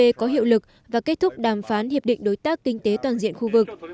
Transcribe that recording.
ad có hiệu lực và kết thúc đàm phán hiệp định đối tác kinh tế toàn diện khu vực